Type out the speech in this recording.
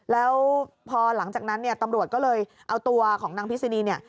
แล้วพอหลังจากนั้นเนี่ยตำรวจก็เลยเอาตัวของนางพิษินีเนี่ย